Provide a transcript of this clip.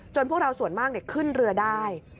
จนพวกเราส่วนมากเนี่ยขึ้นเรือได้